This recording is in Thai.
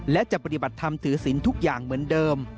และจะปฏิบัติธรรมถือศิลป์ทุกอย่างเหมือนเดิม